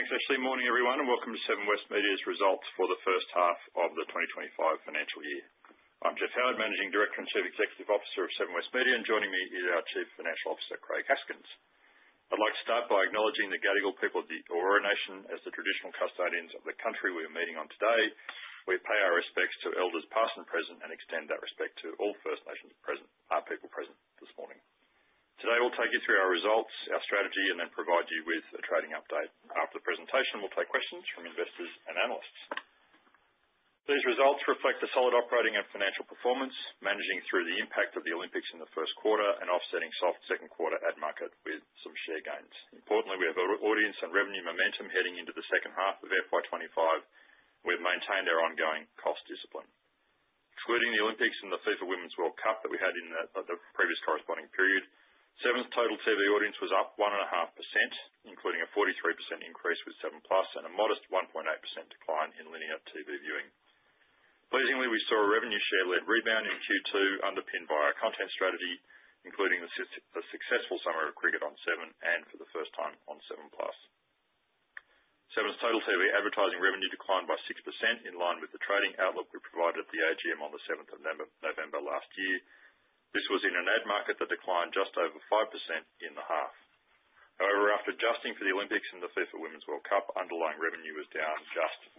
Thanks, Ashley. Morning, everyone, and welcome to Seven West Media's results for the first half of the 2025 financial year. I'm Jeff Howard, Managing Director and Chief Executive Officer of Seven West Media, and joining me is our Chief Financial Officer, Craig Haskins. I'd like to start by acknowledging the Gadigal people of the Eora Nation as the traditional custodians of the country we are meeting on today. We pay our respects to Elders past and present and extend that respect to all First Nations present, our people present this morning. Today, we'll take you through our results, our strategy, and then provide you with a trading update. After the presentation, we'll take questions from investors and analysts. These results reflect a solid operating and financial performance, managing through the impact of the Olympics in the first quarter and offsetting soft second quarter at market with some share gains. Importantly, we have audience and revenue momentum heading into the second half of FY2025. We've maintained our ongoing cost discipline. Excluding the Olympics and the FIFA Women's World Cup that we had in the previous corresponding period, Seven's total TV audience was up 1.5%, including a 43% increase with 7plus and a modest 1.8% decline in linear TV viewing. Pleasingly, we saw a revenue share-led rebound in Q2, underpinned by our content strategy, including the successful summer of Cricket on Seven and for the first time on 7plus. Seven's total TV advertising revenue declined by 6%, in line with the trading outlook we provided at the AGM on the 7th of November last year. This was in an ad market that declined just over 5% in the half. However, after adjusting for the Olympics and the FIFA Women's World Cup, underlying revenue was down just 1%.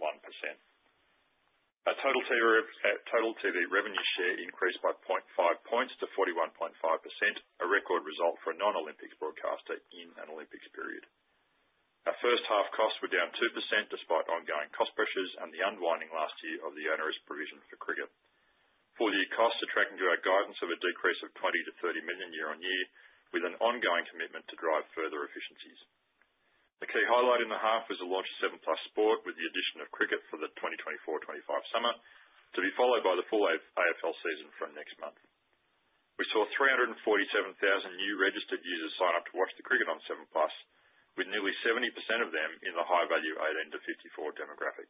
Our total TV revenue share increased by 0.5 points to 41.5%, a record result for a non-Olympics broadcaster in an Olympics period. Our first half costs were down 2% despite ongoing cost pressures and the unwinding last year of the onerous provision for cricket. For the year, costs are tracking to our guidance of a decrease of 20 million-30 million year on year, with an ongoing commitment to drive further efficiencies. The key highlight in the half was the launch of 7plus Sport with the addition of cricket for the 2024-2025 summer, to be followed by the full AFL season from next month. We saw 347,000 new registered users sign up to watch the cricket on 7plus, with nearly 70% of them in the high-value 18 to 54 demographic.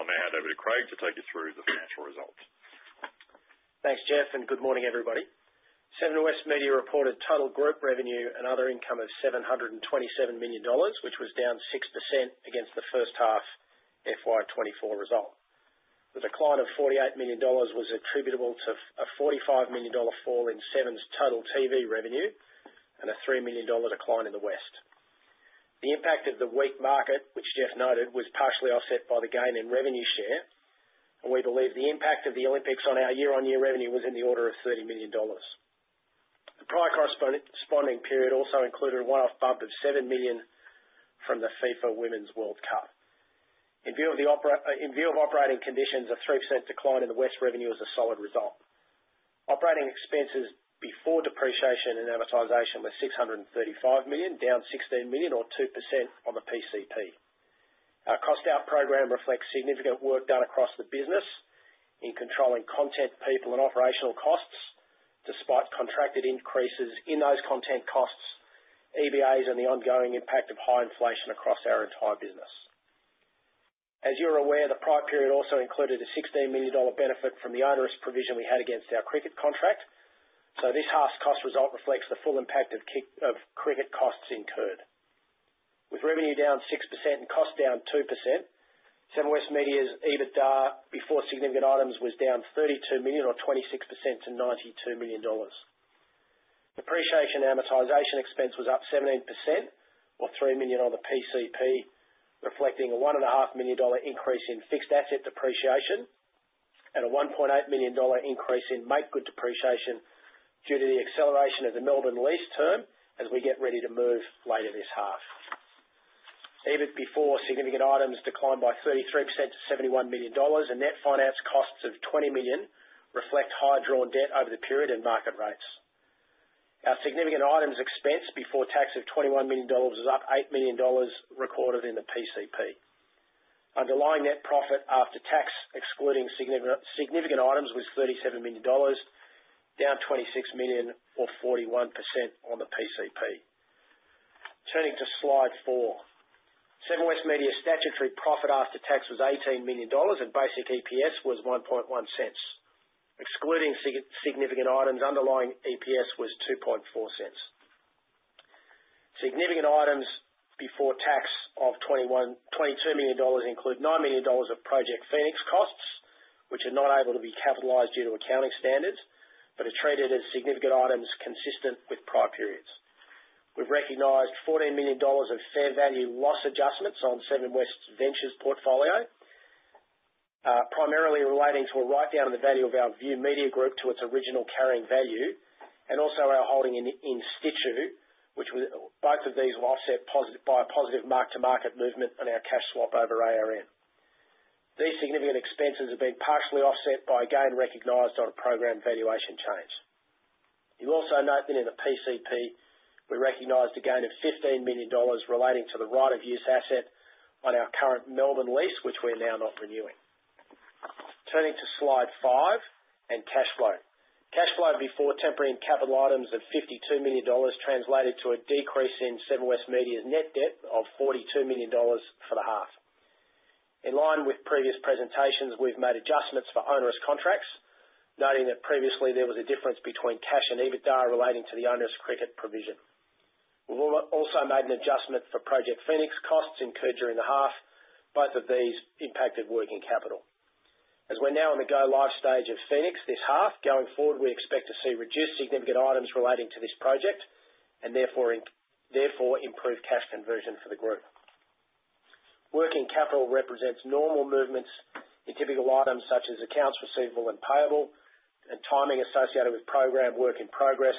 I'll now hand over to Craig to take you through the financial results. Thanks, Jeff, and good morning, everybody. Seven West Media reported total group revenue and other income of 727 million dollars, which was down 6% against the first half FY2024 result. The decline of 48 million dollars was attributable to a 45 million dollar fall in Seven's total TV revenue and a 3 million dollar decline in the West. The impact of the weak market, which Jeff noted, was partially offset by the gain in revenue share, and we believe the impact of the Olympics on our year-on-year revenue was in the order of 30 million dollars. The prior corresponding period also included a one-off bump of 7 million from the FIFA Women's World Cup. In view of operating conditions, a 3% decline in the West revenue is a solid result. Operating expenses before depreciation and advertising were 635 million, down 16 million, or 2% on the PCP. Our cost-out program reflects significant work done across the business in controlling content, people, and operational costs, despite contracted increases in those content costs, EBA, and the ongoing impact of high inflation across our entire business. As you're aware, the prior period also included a 16 million dollar benefit from the onerous provision we had against our cricket contract. This half-cost result reflects the full impact of cricket costs incurred. With revenue down 6% and costs down 2%, Seven West Media's EBITDA before significant items was down 32 million, or 26%, to 92 million dollars. Depreciation and advertising expense was up 17%, or 3 million on the PCP, reflecting a 1.5 million dollar increase in fixed asset depreciation and a 1.8 million dollar increase in make good depreciation due to the acceleration of the Melbourne lease term as we get ready to move later this half. EBIT before significant items declined by 33% to 71 million dollars, and net finance costs of 20 million reflect high drawn debt over the period and market rates. Our significant items expense before tax of 21 million dollars was up 8 million dollars recorded in the PCP. Underlying net profit after tax, excluding significant items, was 37 million dollars, down 26 million, or 41% on the PCP. Turning to slide four, Seven West Media's statutory profit after tax was 18 million dollars, and basic EPS was 0.1. Excluding significant items, underlying EPS was 0.24. Significant items before tax of 22 million dollars include 9 million dollars of Project Phoenix costs, which are not able to be capitalized due to accounting standards, but are treated as significant items consistent with prior periods. We've recognized 14 million dollars of fair value loss adjustments on Seven West Ventures' portfolio, primarily relating to a write-down of the value of our View Media Group to its original carrying value, and also our holding in in situ, which both of these were offset by a positive mark-to-market movement on our cash swap over ARN. These significant expenses have been partially offset by a gain recognized on a program valuation change. You also note that in the PCP, we recognized a gain of 15 million dollars relating to the right-of-use asset on our current Melbourne lease, which we are now not renewing. Turning to slide five and cash flow. Cash flow before temporary and capital items of 52 million dollars translated to a decrease in Seven West Media's net debt of 42 million dollars for the half. In line with previous presentations, we've made adjustments for onerous contracts, noting that previously there was a difference between cash and EBITDA relating to the onerous cricket provision. We've also made an adjustment for Project Phoenix costs incurred during the half. Both of these impacted working capital. As we're now in the go live stage of Phoenix this half, going forward, we expect to see reduced significant items relating to this project and therefore improved cash conversion for the group. Working capital represents normal movements in typical items such as accounts receivable and payable, and timing associated with program work in progress,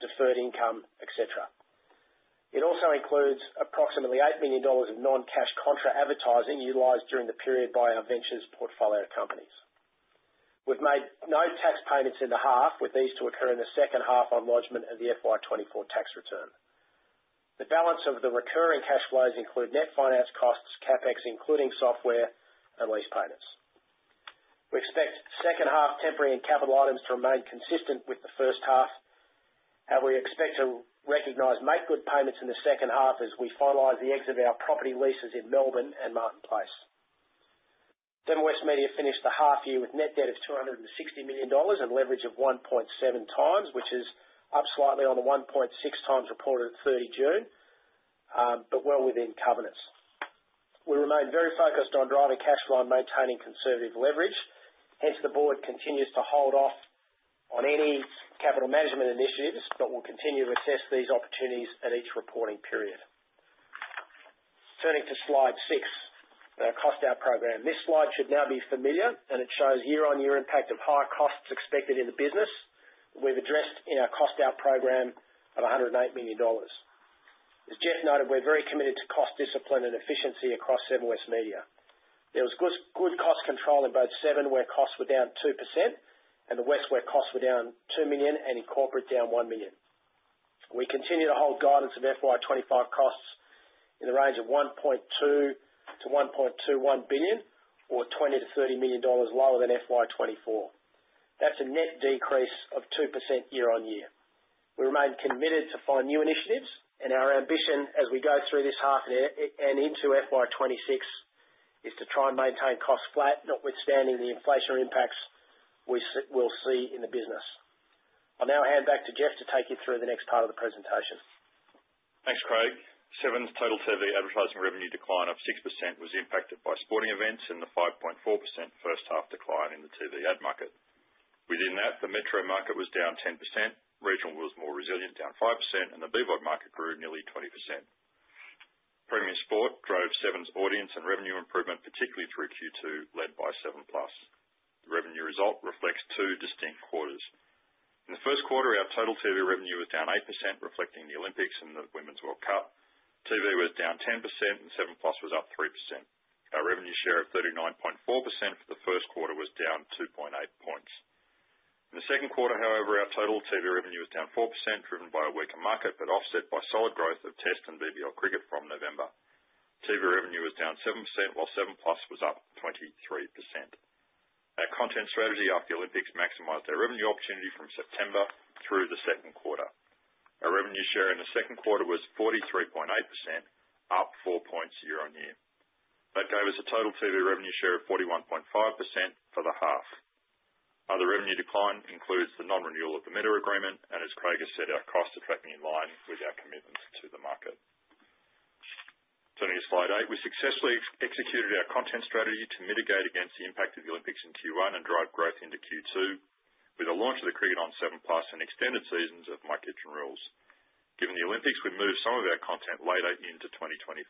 deferred income, etc. It also includes approximately 8 million dollars of non-cash contra advertising utilized during the period by our ventures portfolio companies. We've made no tax payments in the half, with these to occur in the second half on lodgement of the FY24 tax return. The balance of the recurring cash flows includes net finance costs, CapEx, including software, and lease payments. We expect second half temporary and capital items to remain consistent with the first half, and we expect to recognize make good payments in the second half as we finalize the exit of our property leases in Melbourne and Martin Place. Seven West Media finished the half year with net debt of 260 million dollars and leverage of 1.7x, which is up slightly on the 1.6 times reported at 30 June, but well within covenants. We remain very focused on driving cash flow and maintaining conservative leverage. Hence, the board continues to hold off on any capital management initiatives, but will continue to assess these opportunities at each reporting period. Turning to slide six, our cost-out program. This slide should now be familiar, and it shows year-on-year impact of high costs expected in the business. We've addressed in our cost-out program of 108 million dollars. As Jeff noted, we're very committed to cost discipline and efficiency across Seven West Media. There was good cost control in both Seven, where costs were down 2%, and The West, where costs were down 2 million and in corporate, down 1 million. We continue to hold guidance of FY2025 costs in the range of 1.2 billion - 1.21 billion, or 20 million - 30 million dollars lower than FY2024. That's a net decrease of 2% year on year. We remain committed to find new initiatives, and our ambition as we go through this half and into FY2026 is to try and maintain costs flat, notwithstanding the inflationary impacts we will see in the business. I'll now hand back to Jeff to take you through the next part of the presentation. Thanks, Craig. Seven's total TV advertising revenue decline of 6% was impacted by sporting events and the 5.4% first half decline in the TV ad market. Within that, the metro market was down 10%, regional was more resilient, down 5%, and the BVOD market grew nearly 20%. Premium sport drove Seven's audience and revenue improvement, particularly through Q2, led by 7plus. The revenue result reflects two distinct quarters. In the first quarter, our total TV revenue was down 8%, reflecting the Olympics and the FIFA Women's World Cup. TV was down 10%, and 7plus was up 3%. Our revenue share of 39.4% for the first quarter was down 2.8 percentage points. In the second quarter, however, our total TV revenue was down 4%, driven by a weaker market, but offset by solid growth of Test and BBL cricket from November. TV revenue was down 7%, while 7plus was up 23%. Our content strategy after the Olympics maximized our revenue opportunity from September through the second quarter. Our revenue share in the second quarter was 43.8%, up 4 percentage points year on year. That gave us a total TV revenue share of 41.5% for the half. Other revenue decline includes the non-renewal of the Meta agreement, and as Craig has said, our costs are tracking in line with our commitments to the market. Turning to slide eight, we successfully executed our content strategy to mitigate against the impact of the Olympics in Q1 and drive growth into Q2 with the launch of the cricket on 7plus and extended seasons of My Kitchen Rules. Given the Olympics, we moved some of our content later into 2025.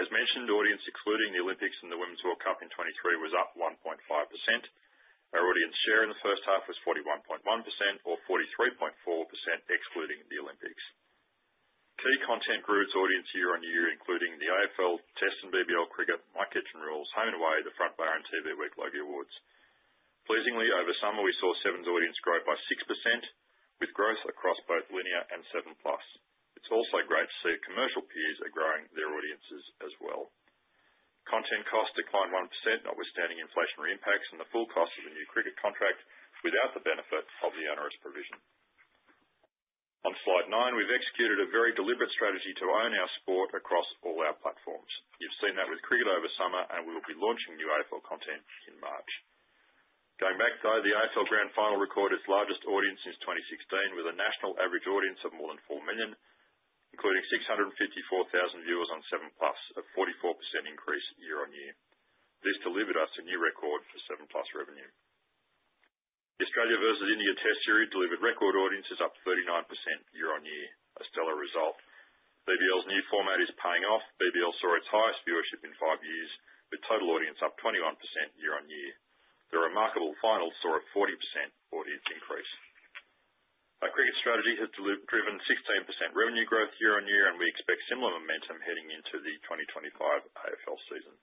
As mentioned, audience excluding the Olympics and the Women's World Cup in 2023 was up 1.5%. Our audience share in the first half was 41.1%, or 43.4% excluding the Olympics. Key content grew its audience year on year, including the AFL, Test and BBL cricket, My Kitchen Rules, Home and Away, The Front Bar, TV WEEK Logie Awards. Pleasingly, over summer, we saw Seven's audience grow by 6% with growth across both linear and 7plus. It's also great to see commercial peers are growing their audiences as well. Content costs declined 1%, notwithstanding inflationary impacts and the full cost of the new cricket contract without the benefit of the onerous provision. On slide nine, we've executed a very deliberate strategy to own our sport across all our platforms. You've seen that with cricket over summer, and we will be launching new AFL content in March. Going back, though, the AFL Grand Final recorded its largest audience since 2016, with a national average audience of more than 4 million, including 654,000 viewers on 7plus, a 44% increase year on year. This delivered us a new record for 7plus revenue. The Australia versus India Test series delivered record audiences, up 39% year on year, a stellar result. BBL's new format is paying off. BBL saw its highest viewership in five years, with total audience up 21% year on year. The remarkable final saw a 40% audience increase. Our cricket strategy has driven 16% revenue growth year on year, and we expect similar momentum heading into the 2025 AFL season.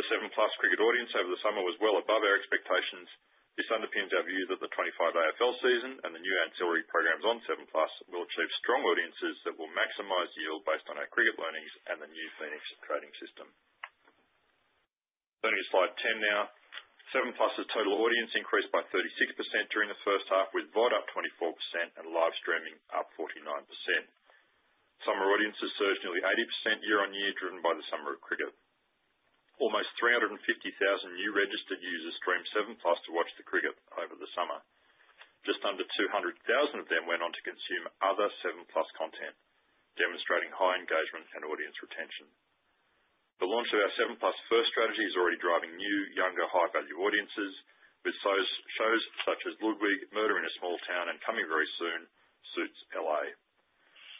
The 7plus cricket audience over the summer was well above our expectations. This underpins our view that the 2025 AFL season and the new ancillary programs on 7plus will achieve strong audiences that will maximize yield based on our cricket learnings and the new Phoenix trading system. Turning to slide 10 now, 7plus's total audience increased by 36% during the first half, with VOD up 24% and live streaming up 49%. Summer audiences surged nearly 80% year on year, driven by the summer of cricket. Almost 350,000 new registered users streamed 7plus to watch the cricket over the summer. Just under 200,000 of them went on to consume other 7plus content, demonstrating high engagement and audience retention. The launch of our 7plus first strategy is already driving new, younger, high-value audiences, with shows such as Ludwig, Murder in a Small Town, and coming very soon Suits LA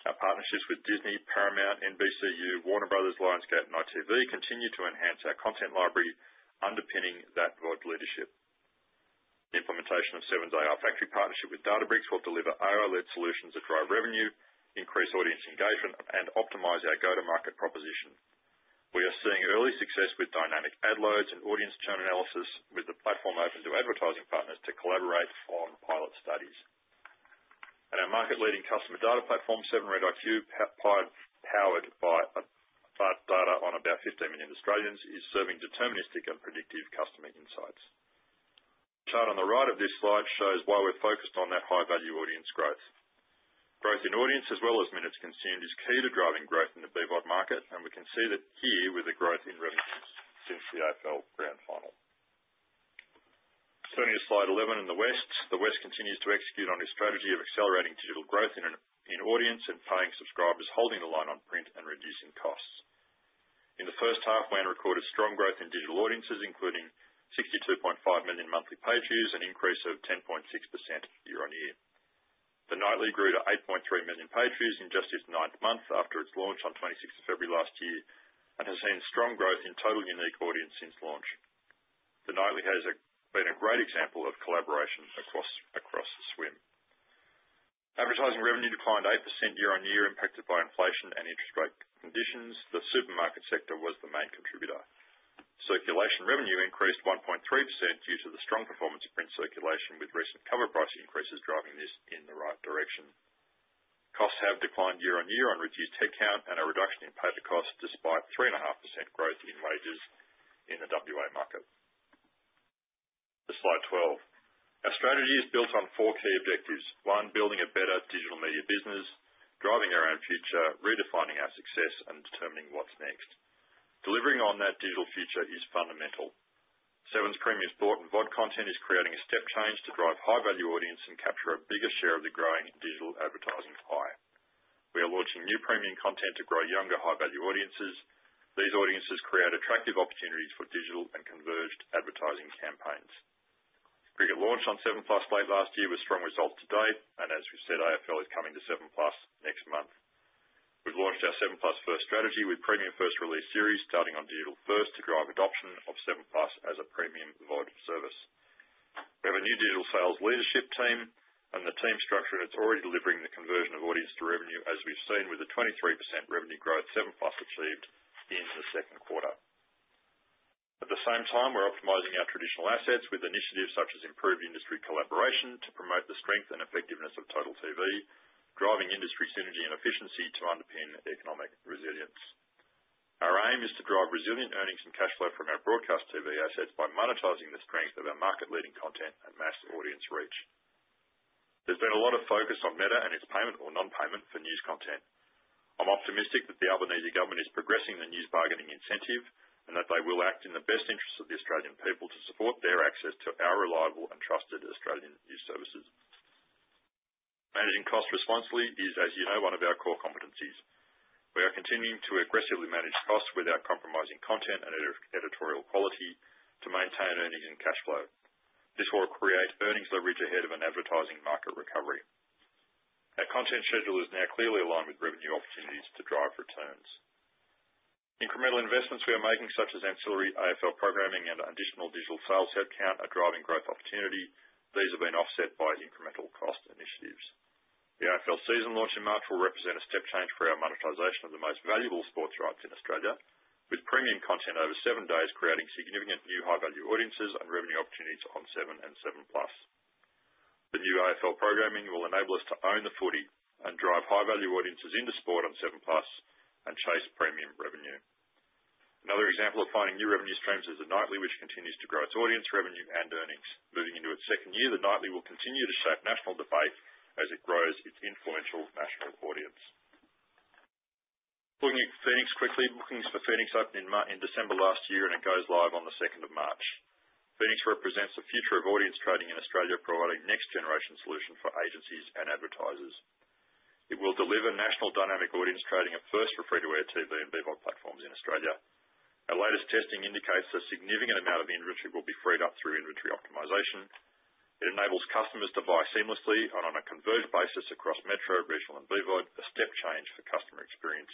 Our partnerships with Disney, Paramount, NBCU, Warner Brothers, Lionsgate, and ITV continue to enhance our content library, underpinning that VOD leadership. The implementation of Seven's AR factory partnership with Databricks will deliver AR-led solutions that drive revenue, increase audience engagement, and optimize our go-to-market proposition. We are seeing early success with dynamic ad loads and audience churn analysis, with the platform open to advertising partners to collaborate on pilot studies. Our market-leading customer data platform, 7REDiQ, powered by data on about 15 million Australians, is serving deterministic and predictive customer insights. The chart on the right of this slide shows why we're focused on that high-value audience growth. Growth in audience, as well as minutes consumed, is key to driving growth in the BVOD market, and we can see that here with the growth in revenues since the AFL Grand Final. Turning to slide 11 in the West, the West continues to execute on its strategy of accelerating digital growth in audience and paying subscribers, holding the line on print and reducing costs. In the first half, we recorded strong growth in digital audiences, including 62.5 million monthly page views, an increase of 10.6% year on year. The Nightly grew to 8.3 million page views in just its ninth month after its launch on 26 February last year and has seen strong growth in total unique audience since launch. The Nightly has been a great example of collaboration across the SWM. Advertising revenue declined 8% year on year, impacted by inflation and interest rate conditions. The supermarket sector was the main contributor. Circulation revenue increased 1.3% due to the strong performance of print circulation, with recent cover price increases driving this in the right direction. Costs have declined year on year on reduced headcount and a reduction in paper costs despite 3.5% growth in wages in the WA market. To slide 12, our strategy is built on four key objectives: one, building a better digital media business, driving our own future, redefining our success, and determining what's next. Delivering on that digital future is fundamental. Seven's Premium Sport and VOD content is creating a step change to drive high-value audience and capture a bigger share of the growing digital advertising pie. We are launching new premium content to grow younger, high-value audiences. These audiences create attractive opportunities for digital and converged advertising campaigns. Cricket launched on 7plus late last year with strong results to date, and as we've said, AFL is coming to 7plus next month. We've launched our 7plus first strategy with Premium First Release series starting on Digital First to drive adoption of 7plus as a premium VOD service. We have a new digital sales leadership team, and the team structure is already delivering the conversion of audience to revenue, as we've seen with the 23% revenue growth 7plus achieved in the second quarter. At the same time, we're optimizing our traditional assets with initiatives such as improved industry collaboration to promote the strength and effectiveness of total TV, driving industry synergy and efficiency to underpin economic resilience. Our aim is to drive resilient earnings and cash flow from our broadcast TV assets by monetizing the strength of our market-leading content and mass audience reach. There's been a lot of focus on Meta and its payment or non-payment for news content. I'm optimistic that the Albanese government is progressing the news bargaining incentive and that they will act in the best interests of the Australian people to support their access to our reliable and trusted Australian news services. Managing costs responsibly is, as you know, one of our core competencies. We are continuing to aggressively manage costs without compromising content and editorial quality to maintain earnings and cash flow. This will create earnings leverage ahead of an advertising market recovery. Our content schedule is now clearly aligned with revenue opportunities to drive returns. Incremental investments we are making, such as ancillary AFL programming and additional digital sales headcount, are driving growth opportunity. These have been offset by incremental cost initiatives. The AFL season launch in March will represent a step change for our monetization of the most valuable sports rights in Australia, with premium content over seven days creating significant new high-value audiences and revenue opportunities on Seven and 7plus. The new AFL programming will enable us to own the footy and drive high-value audiences into sport on 7plus and chase premium revenue. Another example of finding new revenue streams is The Nightly, which continues to grow its audience revenue and earnings. Moving into its second year, The Nightly will continue to shape national debate as it grows its influential national audience. Looking at Phoenix quickly, bookings for Phoenix opened in December last year, and it goes live on the 2nd of March. Phoenix represents the future of audience trading in Australia, providing next-generation solutions for agencies and advertisers. It will deliver national dynamic audience trading at first for free-to-air TV and BVOD platforms in Australia. Our latest testing indicates a significant amount of inventory will be freed up through inventory optimization. It enables customers to buy seamlessly and on a converged basis across Metro, regional, and BVOD, a step change for customer experience.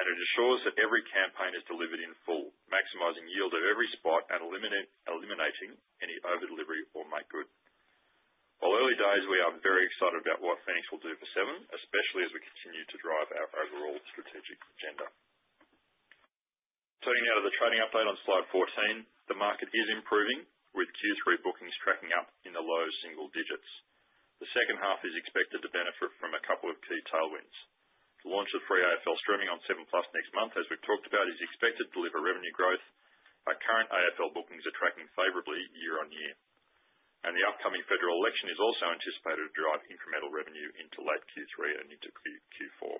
It ensures that every campaign is delivered in full, maximizing yield at every spot and eliminating any overdelivery or make good. While early days, we are very excited about what Phoenix will do for Seven, especially as we continue to drive our overall strategic agenda. Turning now to the trading update on slide 14, the market is improving, with Q3 bookings tracking up in the low single digits. The second half is expected to benefit from a couple of key tailwinds. The launch of free AFL streaming on 7plus next month, as we've talked about, is expected to deliver revenue growth. Our current AFL bookings are tracking favorably year on year. The upcoming federal election is also anticipated to drive incremental revenue into late Q3 and into Q4.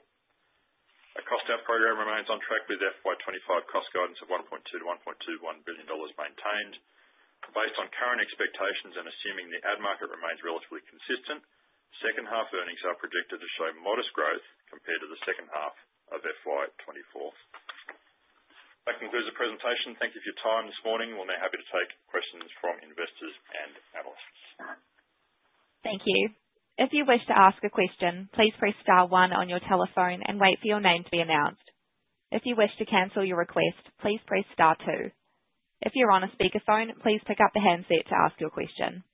Our cost out program remains on track with FY2025 cost guidance of 1.2 to 1.21 billion maintained. Based on current expectations and assuming the ad market remains relatively consistent, second-half earnings are projected to show modest growth compared to the second half of FY2024. That concludes the presentation. Thank you for your time this morning. We're now happy to take questions from investors and analysts. Thank you. If you wish to ask a question, please press star one on your telephone and wait for your name to be announced. If you wish to cancel your request, please press star two. If you're on a speakerphone, please pick up the handset to ask your question.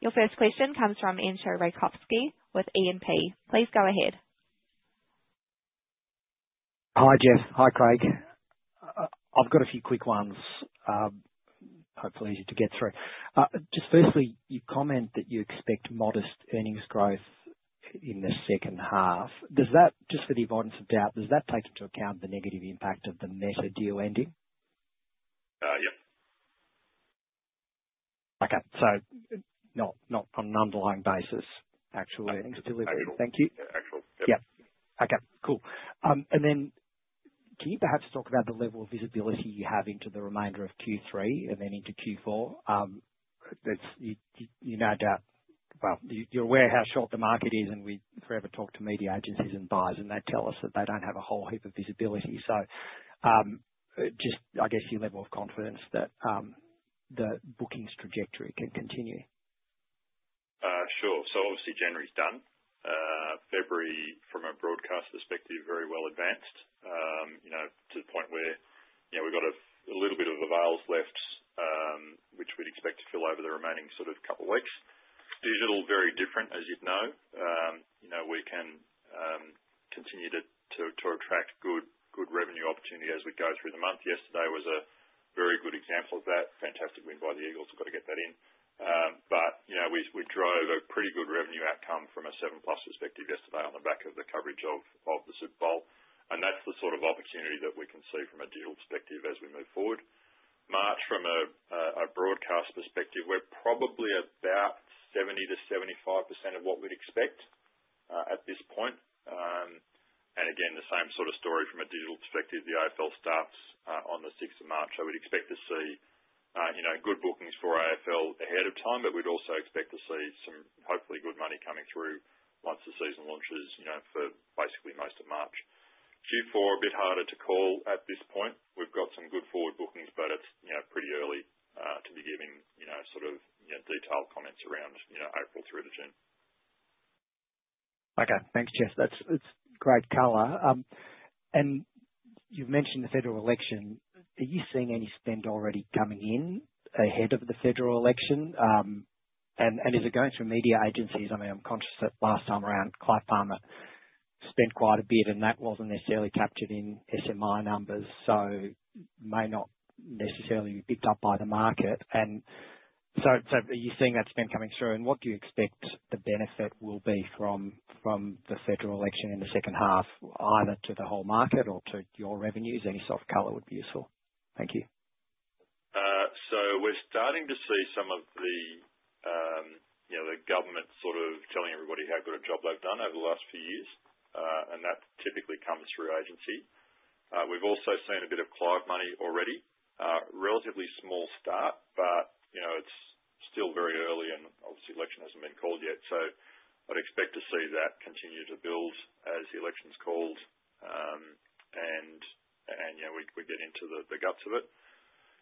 Your first question comes from Entcho Raykovski with E & P Please go ahead. Hi, Jeff. Hi, Craig. I've got a few quick ones, hopefully easy to get through. Just firstly, you comment that you expect modest earnings growth in the second half. Does that, just for the avoidance of doubt, does that take into account the negative impact of the Meta deal ending? Yep. Okay. Not on an underlying basis, actual earnings delivery. Thank you. Actual. Yep. Okay. Cool. Can you perhaps talk about the level of visibility you have into the remainder of Q3 and then into Q4? You no doubt, you are aware how short the market is, and we forever talk to media agencies and buyers, and they tell us that they do not have a whole heap of visibility. Just, I guess, your level of confidence that the bookings trajectory can continue. Sure. Obviously, January is done. February, from a broadcast perspective, is very well advanced to the point where we have a little bit of a VALS left, which we would expect to fill over the remaining couple of weeks. Digital is very different, as you know. We can continue to attract good revenue opportunity as we go through the month. Yesterday was a very good example of that. Fantastic win by the Eagles. We have to get that in. We drove a pretty good revenue outcome from a 7plus perspective yesterday on the back of the coverage of the Super Bowl. That is the sort of opportunity that we can see from a digital perspective as we move forward. March, from a broadcast perspective, we are probably about 70 to 75% of what we would expect at this point. Again, the same sort of story from a digital perspective. The AFL starts on the 6th of March. I would expect to see good bookings for AFL ahead of time, but we'd also expect to see some hopefully good money coming through once the season launches for basically most of March. Q4, a bit harder to call at this point. We've got some good forward bookings, but it's pretty early to be giving sort of detailed comments around April through to June. Okay. Thanks, Jeff. That's great color. You've mentioned the federal election. Are you seeing any spend already coming in ahead of the federal election? Is it going through media agencies? I mean, I'm conscious that last time around, Clive Palmer spent quite a bit, and that wasn't necessarily captured in SMI numbers, so may not necessarily be picked up by the market. Are you seeing that spend coming through? What do you expect the benefit will be from the federal election in the second half, either to the whole market or to your revenues? Any sort of color would be useful. Thank you. We're starting to see some of the government sort of telling everybody how good a job they've done over the last few years. That typically comes through agency. We've also seen a bit of Clive money already. Relatively small start, but it's still very early, and obviously, election hasn't been called yet. I'd expect to see that continue to build as the election's called, and we get into the guts of it.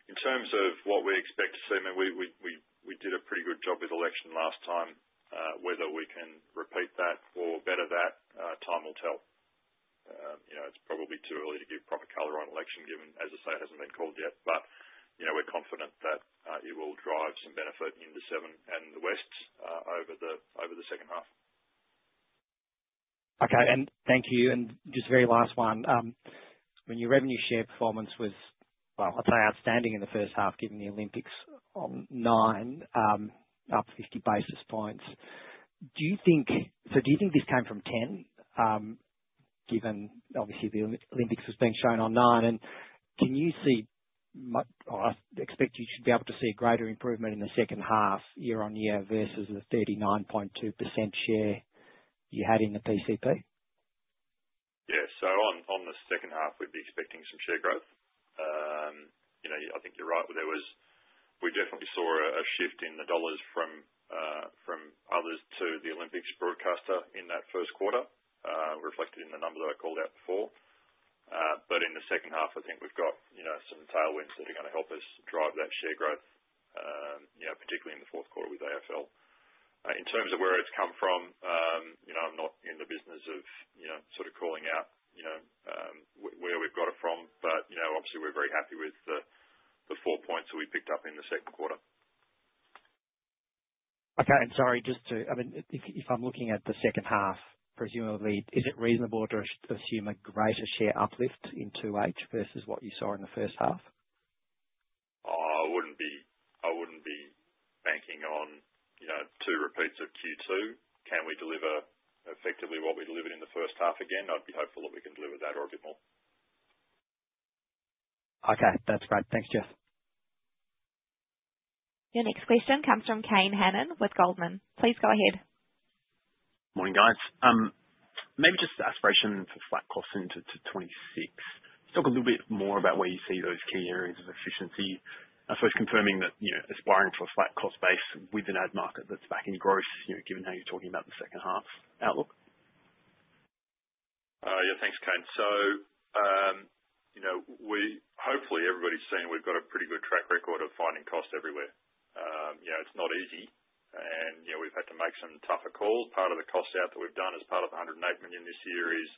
In terms of what we expect to see, I mean, we did a pretty good job with election last time. Whether we can repeat that or better that, time will tell. It's probably too early to give proper color on election, given, as I say, it hasn't been called yet. We're confident that it will drive some benefit into Seven and the West over the second half. Okay. Thank you. Just very last one. When your revenue share performance was, I'd say, outstanding in the first half, given the Olympics on Nine, up 50 basis points, do you think this came from Ten, given obviously the Olympics has been shown on Nine? Can you see or expect you should be able to see a greater improvement in the second half year on year versus the 39.2% share you had in the PCP? Yeah. On the second half, we'd be expecting some share growth. I think you're right. We definitely saw a shift in the dollars from others to the Olympics broadcaster in that first quarter, reflected in the number that I called out before. In the second half, I think we've got some tailwinds that are going to help us drive that share growth, particularly in the fourth quarter with AFL. In terms of where it's come from, I'm not in the business of sort of calling out where we've got it from, but obviously, we're very happy with the four points that we picked up in the second quarter. Okay. Sorry, just to, I mean, if I'm looking at the second half, presumably, is it reasonable to assume a greater share uplift in 2H versus what you saw in the first half? I wouldn't be banking on two repeats of Q2. Can we deliver effectively what we delivered in the first half again? I'd be hopeful that we can deliver that or a bit more. Okay. That's great. Thanks, Jeff. Your next question comes from Kane Hannan with Goldman. Please go ahead. Morning, guys. Maybe just aspiration for flat costs into 2026. Let's talk a little bit more about where you see those key areas of efficiency. I suppose confirming that aspiring for a flat cost base with an ad market that's back in growth, given how you're talking about the second half outlook. Yeah. Thanks, Kane. Hopefully, everybody's seen we've got a pretty good track record of finding cost everywhere. It's not easy. We've had to make some tougher calls. Part of the cost out that we've done as part of the 108 million this year is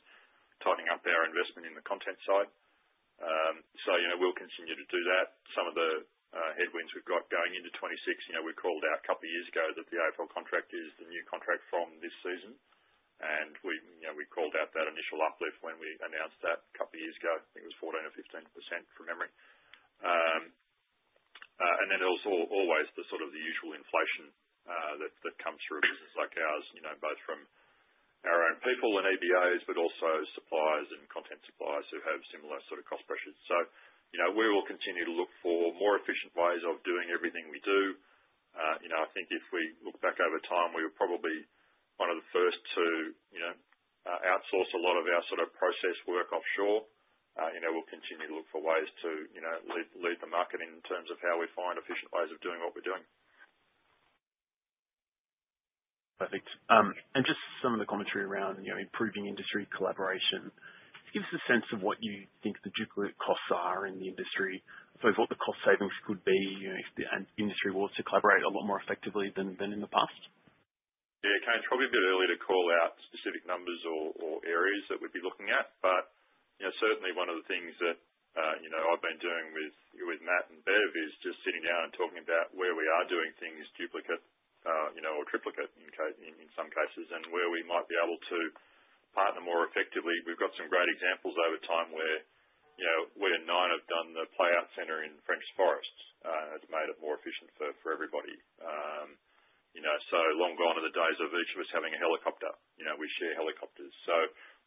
tightening up our investment in the content side. We'll continue to do that. Some of the headwinds we've got going into 2026, we called out a couple of years ago that the AFL contract is the new contract from this season. We called out that initial uplift when we announced that a couple of years ago. I think it was 14% or 15%, from memory. There is also always the sort of the usual inflation that comes through a business like ours, both from our own people and EBAs, but also suppliers and content suppliers who have similar sort of cost pressures. We will continue to look for more efficient ways of doing everything we do. I think if we look back over time, we were probably one of the first to outsource a lot of our sort of process work offshore. We will continue to look for ways to lead the market in terms of how we find efficient ways of doing what we are doing. Perfect. Just some of the commentary around improving industry collaboration. Give us a sense of what you think the duplicate costs are in the industry, sort of what the cost savings could be if the industry were to collaborate a lot more effectively than in the past? Yeah. Kane, it's probably a bit early to call out specific numbers or areas that we'd be looking at. Certainly, one of the things that I've been doing with Matt and Bev is just sitting down and talking about where we are doing things duplicate or triplicate in some cases, and where we might be able to partner more effectively. We've got some great examples over time where we alone have done the playout center in Frenchs Forest. It's made it more efficient for everybody. Long gone are the days of each of us having a helicopter. We share helicopters.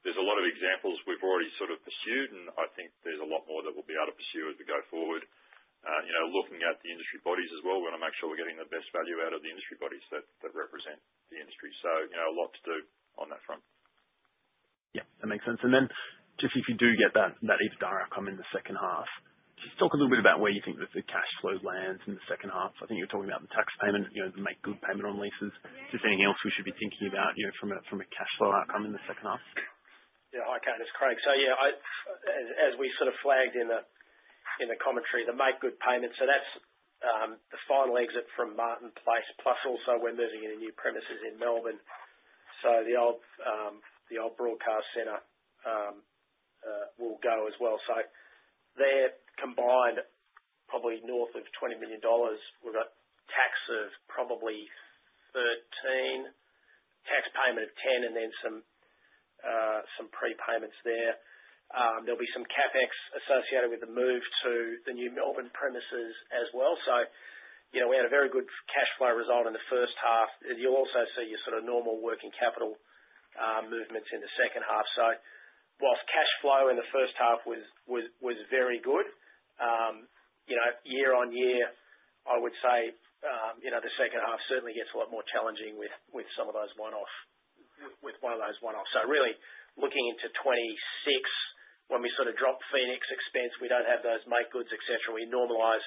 There's a lot of examples we've already sort of pursued, and I think there's a lot more that we'll be able to pursue as we go forward. Looking at the industry bodies as well, we're going to make sure we're getting the best value out of the industry bodies that represent the industry. A lot to do on that front. Yeah. That makes sense. If you do get that EBITDA outcome in the second half, just talk a little bit about where you think that the cash flow lands in the second half. I think you were talking about the tax payment, the make good payment on leases. Just anything else we should be thinking about from a cash flow outcome in the second half? Yeah. Hi, Kane. It's Craig. As we sort of flagged in the commentary, the make good payment, that's the final exit from Martin Place, plus also we're moving into new premises in Melbourne. The old broadcast center will go as well. Their combined, probably north of 20 million dollars. We've got tax of probably 13 million, tax payment of 10 million, and then some prepayments there. There'll be some CapEx associated with the move to the new Melbourne premises as well. We had a very good cash flow result in the first half. You'll also see your sort of normal working capital movements in the second half. Whilst cash flow in the first half was very good, year on year, I would say the second half certainly gets a lot more challenging with some of those one-offs, with one of those one-offs. Really looking into 2026, when we sort of drop Phoenix expense, we don't have those make goods, etc. We normalize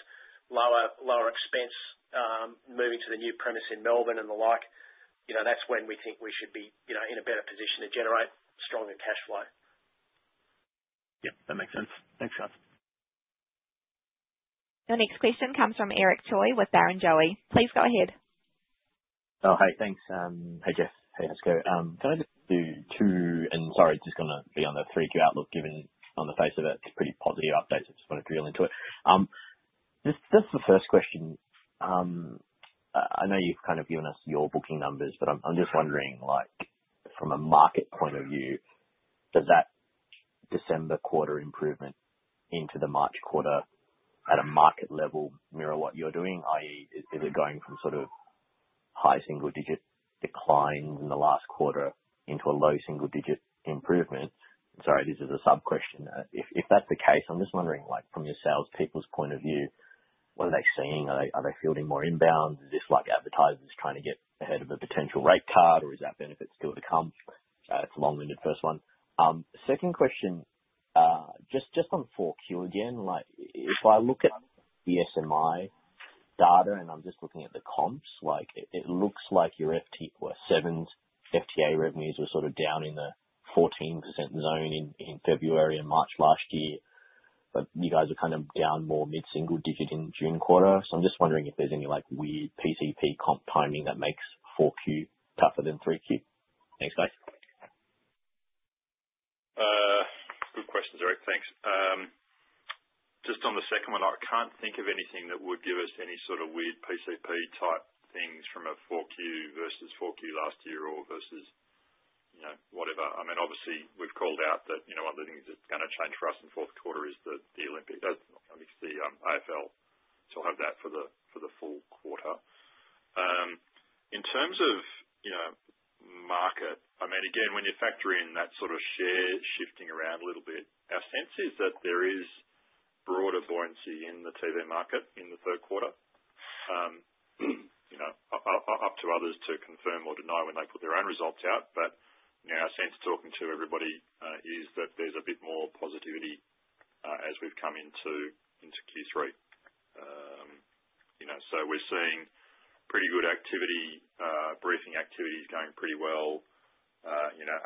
lower expense moving to the new premise in Melbourne and the like. That's when we think we should be in a better position to generate stronger cash flow. Yep. That makes sense. Thanks, guys. Your next question comes from Eric Choi with Barrenjoey. Please go ahead. Oh, hey. Thanks. Hey, Jeff. Hey, let's go. Can I just do two and sorry, just going to be on the 3Q outlook, given on the face of it, it's pretty positive updates. I just want to drill into it. Just the first question, I know you've kind of given us your booking numbers, but I'm just wondering, from a market point of view, does that December quarter improvement into the March quarter at a market level mirror what you're doing? IE, is it going from sort of high single-digit declines in the last quarter into a low single-digit improvement? Sorry, this is a sub-question. If that's the case, I'm just wondering, from your salespeople's point of view, what are they seeing? Are they fielding more inbound? Is this like advertisers trying to get ahead of a potential rate card, or is that benefit still to come? It's a long-winded first one. Second question, just on 4Q again, if I look at the SMI data and I'm just looking at the comps, it looks like your FTA revenues were sort of down in the 14% zone in February and March last year. But you guys are kind of down more mid-single digit in June quarter. I'm just wondering if there's any weird PCP comp timing that makes 4Q tougher than 3Q. Thanks, guys. Good questions, Eric. Thanks. Just on the second one, I can't think of anything that would give us any sort of weird PCP type things from a 4Q versus 4Q last year or versus whatever. I mean, obviously, we've called out that one of the things that's going to change for us in fourth quarter is the Olympics. I think it's the AFL, so we'll have that for the full quarter. In terms of market, I mean, again, when you factor in that sort of share shifting around a little bit, our sense is that there is broader buoyancy in the TV market in the third quarter. Up to others to confirm or deny when they put their own results out. Our sense talking to everybody is that there's a bit more positivity as we've come into Q3. We are seeing pretty good activity, briefing activities going pretty well.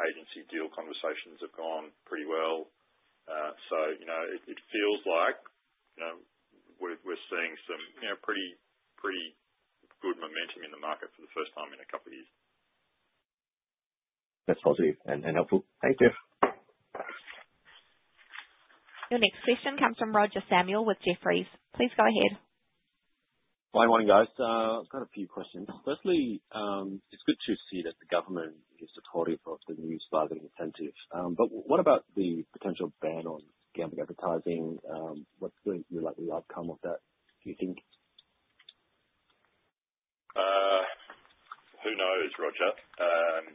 Agency deal conversations have gone pretty well. It feels like we're seeing some pretty good momentum in the market for the first time in a couple of years. That's positive and helpful. Thank you. Your next question comes from Roger Samuel with Jefferies. Please go ahead. Hi, morning, guys. I've got a few questions. Firstly, it's good to see that the government gives authority for the news buzzing incentives. What about the potential ban on gambling advertising? What's the likely outcome of that, do you think? Who knows, Roger?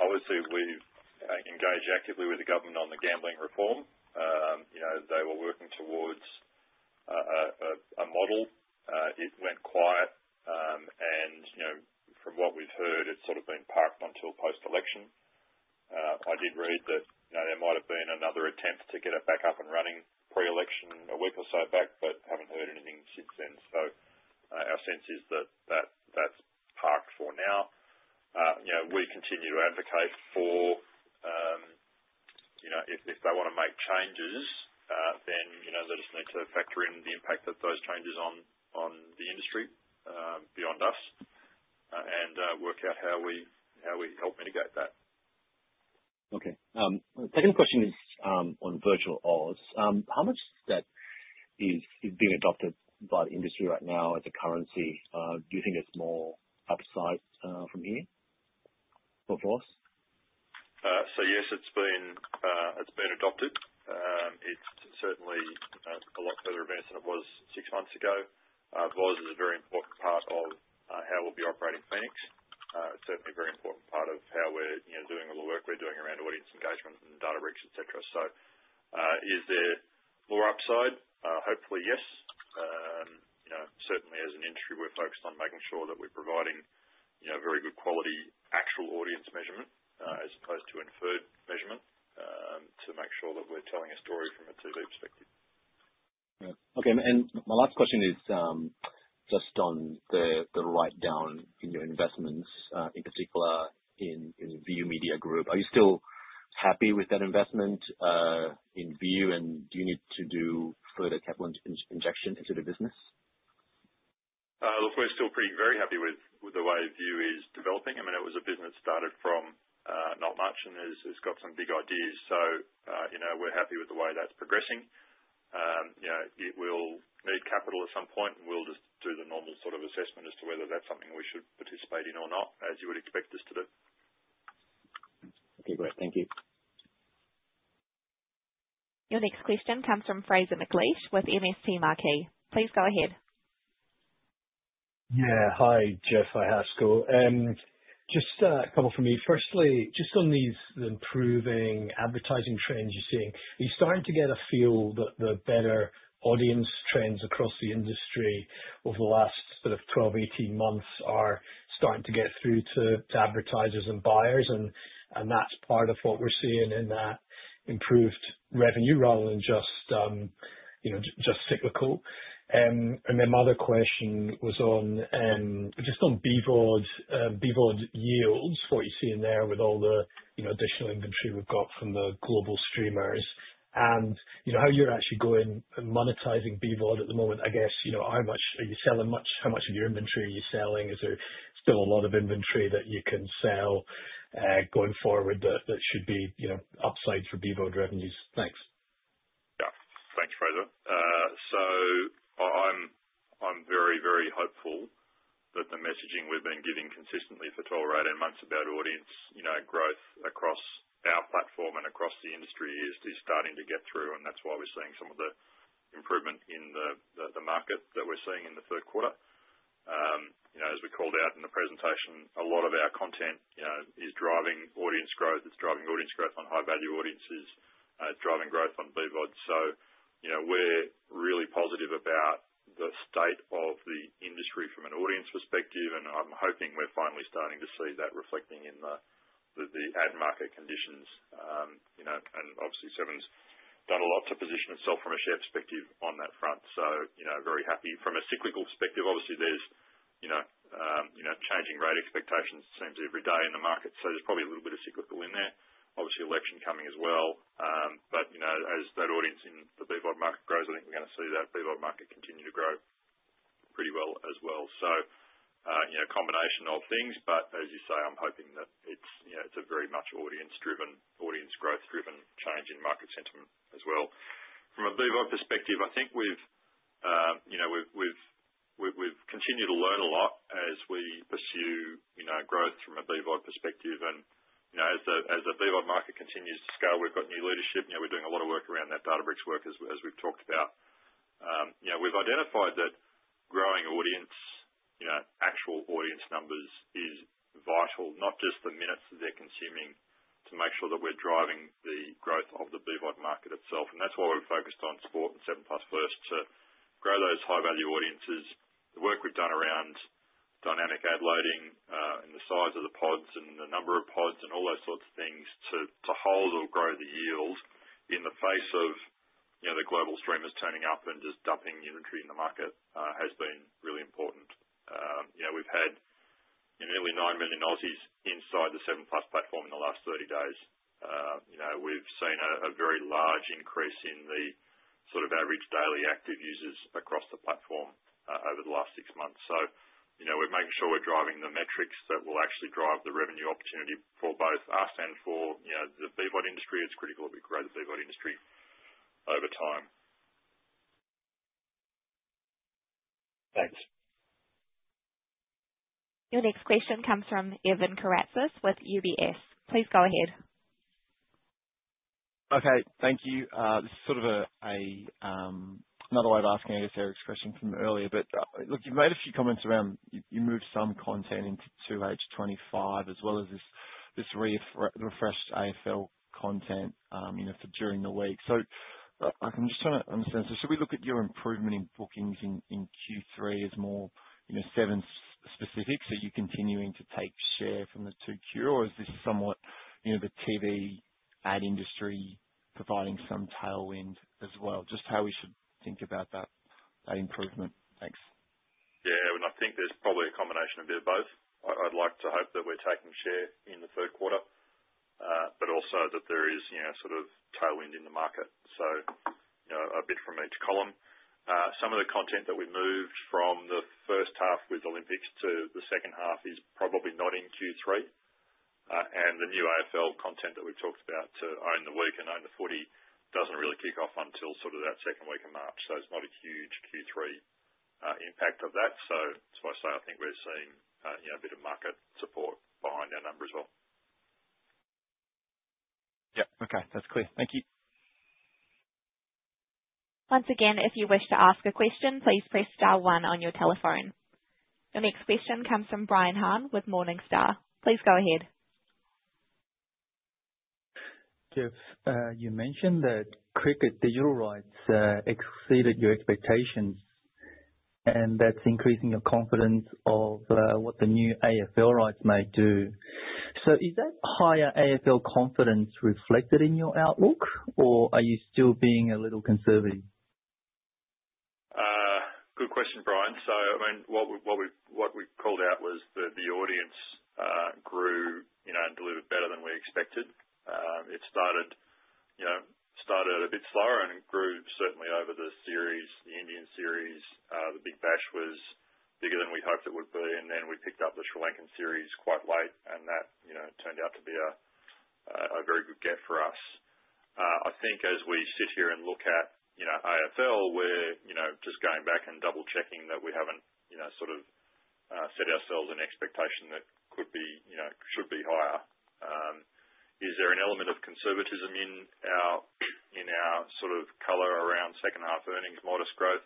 Obviously, we've engaged actively with the government on the gambling reform. They were working towards a model. It went quiet. From what we've heard, it's sort of been parked until post-election. I did read that there might have been another attempt to get it back up and running pre-election a week or so back, but haven't heard anything since then. Our sense is that that's parked for now. We continue to advocate for if they want to make changes, then they just need to factor in the impact of those changes on the industry beyond us and work out how we help mitigate that. Okay. Second question is on VOZ. How much that is being adopted by the industry right now as a currency? Do you think it's more upside from here for VOZ? Yes, it's been adopted. It's certainly a lot further advanced than it was six months ago. VOZ is a very important part of how we'll be operating Phoenix. It's certainly a very important part of how we're doing all the work we're doing around audience engagement and Databricks, etc. Is there more upside? Hopefully, yes. Certainly, as an industry, we're focused on making sure that we're providing very good quality actual audience measurement as opposed to inferred measurement to make sure that we're telling a story from a TV perspective. Yeah. Okay. My last question is just on the write-down in your investments, in particular in the View Media Group. Are you still happy with that investment in View, and do you need to do further capital injection into the business? Look, we're still pretty happy with the way View is developing. I mean, it was a business started from not much and has got some big ideas. So we're happy with the way that's progressing. It will need capital at some point, and we'll just do the normal sort of assessment as to whether that's something we should participate in or not, as you would expect us to do. Okay. Great. Thank you. Your next question comes from Fraser McLeish with MST Marquee. Please go ahead. Yeah. Hi, Jeff. Hi, Haskins. Just a couple from me. Firstly, just on these improving advertising trends you're seeing, are you starting to get a feel that the better audience trends across the industry over the last sort of 12, 18 months are starting to get through to advertisers and buyers? That's part of what we're seeing in that improved revenue rather than just cyclical. My other question was just on BVOD yields, what you're seeing there with all the additional inventory we've got from the global streamers, and how you're actually going and monetizing BVOD at the moment. I guess, how much are you selling? How much of your inventory are you selling? Is there still a lot of inventory that you can sell going forward that should be upside for BVOD revenues? Thanks. Yeah. Thanks, Fraser. I'm very, very hopeful that the messaging we've been giving consistently for 12 or 18 months about audience growth across our platform and across the industry is starting to get through. That's why we're seeing some of the improvement in the market that we're seeing in the third quarter. As we called out in the presentation, a lot of our content is driving audience growth. It's driving audience growth on high-value audiences. It's driving growth on BVOD. We're really positive about the state of the industry from an audience perspective. I'm hoping we're finally starting to see that reflecting in the ad market conditions. Obviously, Seven's done a lot to position itself from a share perspective on that front. Very happy. From a cyclical perspective, obviously, there's changing rate expectations, seems every day in the market. There is probably a little bit of cyclical in there. Obviously, election coming as well. As that audience in the BVOD market grows, I think we are going to see that BVOD market continue to grow pretty well as well. A combination of things. As you say, I am hoping that it is a very much audience-driven, audience-growth-driven change in market sentiment as well. From a BVOD perspective, I think we have continued to learn a lot as we pursue growth from a BVOD perspective. As the BVOD market continues to scale, we have new leadership. We are doing a lot of work around that Databricks work, as we have talked about. We have identified that growing audience, actual audience numbers is vital, not just the minutes that they are consuming, to make sure that we are driving the growth of the BVOD market itself. That is why we've focused on support and 7plus First to grow those high-value audiences. The work we've done around dynamic ad loading and the size of the pods and the number of pods and all those sorts of things to hold or grow the yields in the face of the global streamers turning up and just dumping inventory in the market has been really important. We've had nearly 9 million Aussies inside the 7plus platform in the last 30 days. We've seen a very large increase in the sort of average daily active users across the platform over the last six months. We are making sure we are driving the metrics that will actually drive the revenue opportunity for both us and for the BVOD industry. It is critical that we grow the BVOD industry over time. Thanks. Your next question comes from Evan Karatzas with UBS. Please go ahead. Okay. Thank you. This is sort of another way of asking I guess Eric's question from earlier. Look, you've made a few comments around you moved some content into age 25 as well as this refreshed AFL content for during the week. I'm just trying to understand. Should we look at your improvement in bookings in Q3 as more Seven specific, so you continuing to take share from the 2Q, or is this somewhat the TV ad industry providing some tailwind as well? Just how we should think about that improvement. Thanks. Yeah. I think there's probably a combination of both. I'd like to hope that we're taking share in the third quarter, but also that there is sort of tailwind in the market. A bit from each column. Some of the content that we moved from the first half with Olympics to the second half is probably not in Q3. The new AFL content that we've talked about to own the week and own the 40 doesn't really kick off until that second week of March. It's not a huge Q3 impact of that. That's why I say I think we're seeing a bit of market support behind our number as well. Yep. Okay. That's clear. Thank you. Once again, if you wish to ask a question, please press star one on your telephone. Your next question comes from Brian Han with Morningstar. Please go ahead. Jeff, you mentioned that cricket digital rights exceeded your expectations, and that's increasing your confidence of what the new AFL rights may do. Is that higher AFL confidence reflected in your outlook, or are you still being a little conservative? Good question, Brian. I mean, what we called out was that the audience grew and delivered better than we expected. It started a bit slower and grew certainly over the series, the Indian series. The Big Bash was bigger than we hoped it would be. Then we picked up the Sri Lankan series quite late, and that turned out to be a very good gift for us. I think as we sit here and look at AFL, we're just going back and double-checking that we haven't sort of set ourselves an expectation that could be, should be, higher. Is there an element of conservatism in our sort of color around second half earnings, modest growth?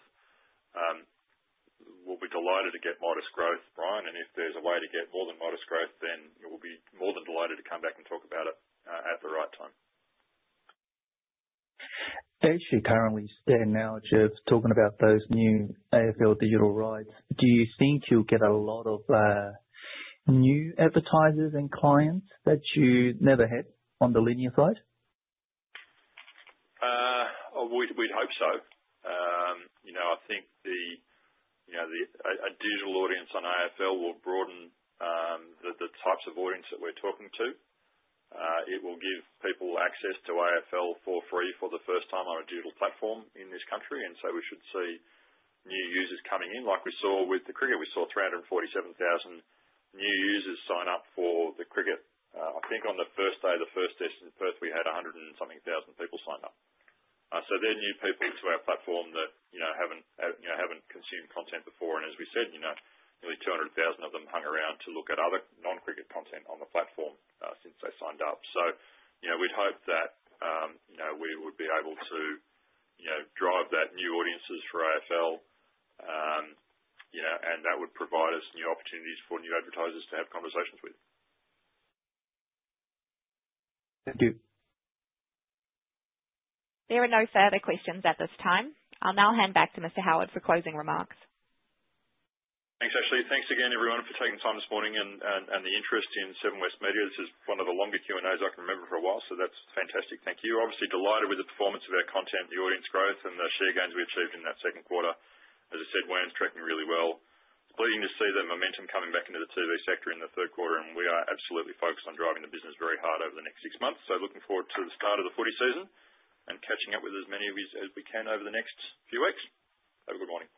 We'll be delighted to get modest growth, Brian. If there's a way to get more than modest growth, then we'll be more than delighted to come back and talk about it at the right time. As you're currently standing now, Jeff, talking about those new AFL digital rights, do you think you'll get a lot of new advertisers and clients that you never had on the linear side? We'd hope so. I think a digital audience on AFL will broaden the types of audience that we're talking to. It will give people access to AFL for free for the first time on a digital platform in this country. We should see new users coming in. Like we saw with the cricket, we saw 347,000 new users sign up for the cricket. I think on the first day, the first Saturday and the first week, we had 100 and something thousand people sign up. They're new people to our platform that haven't consumed content before. As we said, nearly 200,000 of them hung around to look at other non-cricket content on the platform since they signed up. We'd hope that we would be able to drive that new audiences for AFL, and that would provide us new opportunities for new advertisers to have conversations with. Thank you. There are no further questions at this time. I'll now hand back to Mr. Howard for closing remarks. Thanks, Ashley. Thanks again, everyone, for taking time this morning and the interest in Seven West Media. This is one of the longer Q&As I can remember for a while, so that's fantastic. Thank you. Obviously, delighted with the performance of our content, the audience growth, and the share gains we achieved in that second quarter. As I said, Wayne's tracking really well. It's pleasing to see the momentum coming back into the TV sector in the third quarter, and we are absolutely focused on driving the business very hard over the next six months. Looking forward to the start of the 40 season and catching up with as many of you as we can over the next few weeks. Have a good morning.